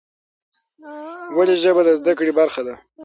ولې ژبه د زده کړې برخه ده؟